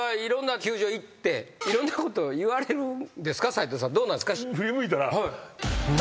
斎藤さんどうなんですか？